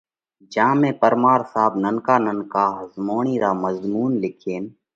جيا ۾ پرمار صاحب ننڪا ننڪا ۿزموڻِي را مضمُونَ لکينَ